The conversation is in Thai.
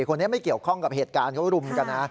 คนนี้ไม่เกี่ยวข้องกับเหตุการณ์เขารุมกันนะ